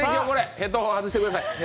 ヘッドホン外してください。